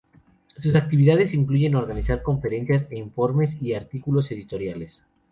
Sus actividades incluyen organizar conferencias e informes y artículos editoriales.